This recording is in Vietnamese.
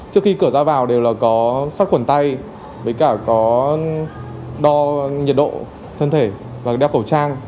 trước khi cửa ra vào đều là có sát khuẩn tay với cả có đo nhiệt độ thân thể và đeo khẩu trang